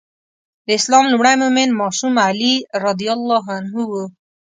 د اسلام لومړی مؤمن ماشوم علي رض و.